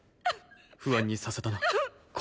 不安にさせたな向。